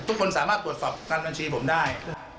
ทุกคนสามารถตรวจสอบทางบัญชีผมได้